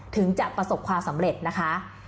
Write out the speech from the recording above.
ถึงจะประสบความสำเร็จนะคะ